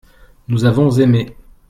nous avons aimé.